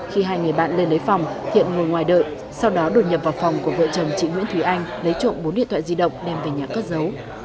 khi hai người bạn lên lấy phòng thiện ngồi ngoài đợi sau đó đột nhập vào phòng của vợ chồng chị nguyễn thúy anh lấy trộm bốn điện thoại di động đem về nhà cất giấu